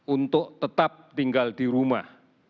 untuk tetap tinggal di rumah